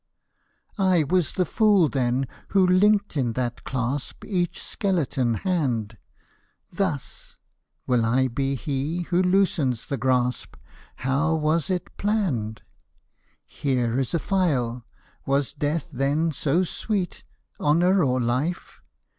I was the fool then who linked in that clasp Each skeleton hand ; Thus !— will I be he who loosens the grasp. How was it planned ? Here is a phial : was death then so sweet. Honour or life